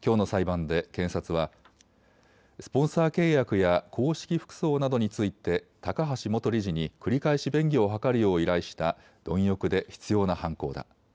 きょうの裁判で検察はスポンサー契約や公式服装などについて高橋元理事に繰り返し便宜を図るよう依頼した貪欲で執ような犯行だ。